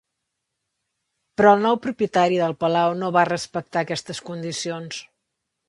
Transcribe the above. Però el nou propietari del palau no va respectar aquestes condicions.